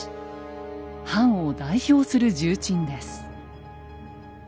藩を代表する重鎮です。